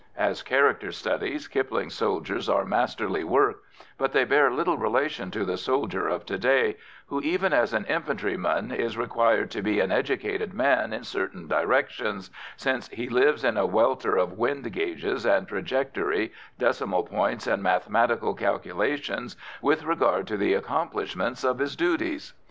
As character studies, Kipling's soldiers are masterly works, but they bear little relation to the soldier of to day, who, even as an infantryman, is required to be an educated man in certain directions, since he lives in a welter of wind gauges and trajectory, decimal points and mathematical calculations with regard to the accomplishment of his duties.